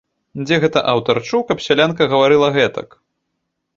Дзе гэта аўтар чуў, каб сялянка гаварыла гэтак?